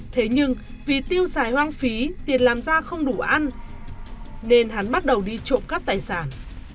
thế nhưng vì tiêu xài hoang phí tiền làm ra không đủ ăn nên hắn bắt đầu đi trộm cắp tài sản